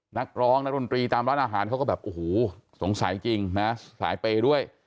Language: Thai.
นักร้องนักดนตรีตามร้านอาหารเขาก็แบบโอ้โหสงสัยจริงนะสายเปย์ด้วย